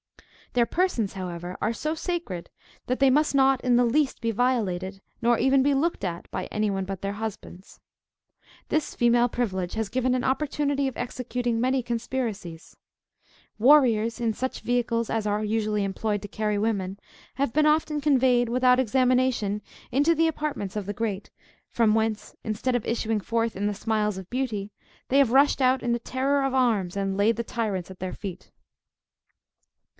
Their persons, however, are so sacred, that they must not in the least be violated, nor even be looked at, by any one but their husbands. This female privilege has given an opportunity of executing many conspiracies. Warriors, in such vehicles as are usually employed to carry women, have been often conveyed, without examination, into the apartments of the great; from whence, instead of issuing forth in the smiles of beauty, they have rushed out in the terror of arms, and laid the tyrants at their feet.